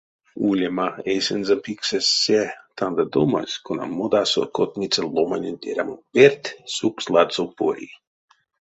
Улема, эйсэнзэ пиксесь се тандадомась, кона модасо котьмиця ломаненть эрямонь перть сукс ладсо пори.